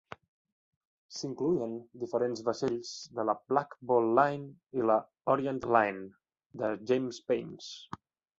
S'incloïen diferents vaixells de la Black Ball Line i la Orient Line de James Baines.